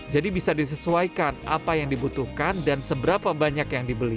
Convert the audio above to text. jadi bisa disesuaikan apa yang dibutuhkan dan seberapa banyak yang dibeli